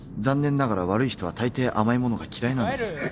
残念ながら悪い人はたいてい甘いものが嫌いなんです。